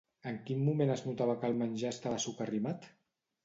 En quin moment es notava que el menjar estava socarrimat?